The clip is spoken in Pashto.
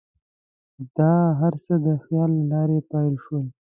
دا هر څه د خیال له لارې پیل شول.